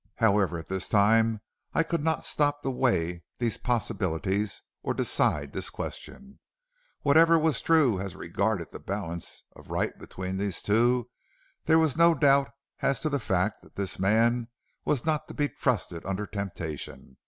"However, at this time I could not stop to weigh these possibilities or decide this question. Whatever was true as regarded the balance of right between these two, there was no doubt as to the fact that this man was not to be trusted under temptation.